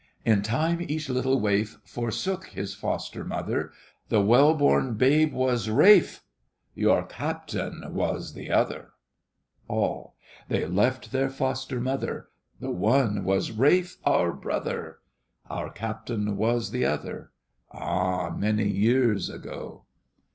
In time each little waif Forsook his foster mother, The well born babe was Ralph— Your captain was the other!!! ALL. They left their foster mother, The one was Ralph, our brother, Our captain was the other, A many years ago.